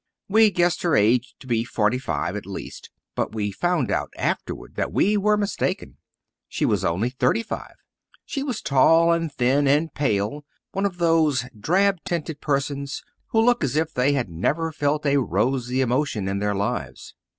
We guessed her age to be forty five at least, but we found out afterward that we were mistaken. She was only thirty five. She was tall and thin and pale, one of those drab tinted persons who look as if they had never felt a rosy emotion in their lives.